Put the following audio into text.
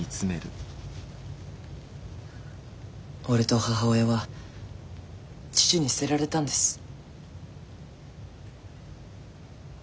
俺と母親は父に捨てられたんです。